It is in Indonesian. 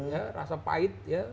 ya rasa pahit ya